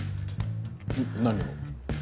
何を？